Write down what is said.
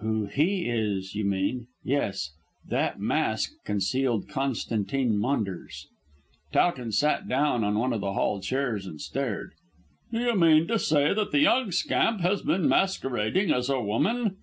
"Who he is, you mean. Yes. That mask concealed Constantine Maunders." Towton sat down on one of the hall chairs and stared. "Do you mean to say that the young scamp has been masquerading as a woman?"